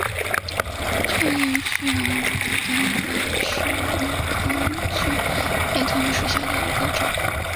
皱叶雀梅藤为鼠李科雀梅藤属下的一个种。